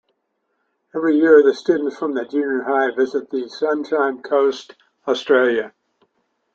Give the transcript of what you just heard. Every year the students from the junior high visit the Sunshine Coast, Australia.